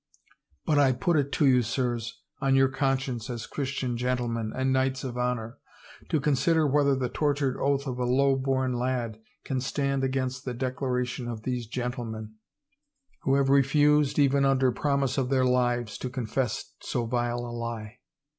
. but I put it to you, sirs, on your conscience as Christian gentlemen and knights of honor, to consider whether the tortured oath of a lowborn lad can stand against the declaration of these gentlemen, 25 355 THE FAVOR OF KINGS who have refused, even under promise of their lives, to confess so vile a lie.